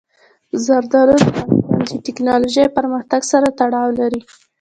زردالو د افغانستان د تکنالوژۍ پرمختګ سره تړاو لري.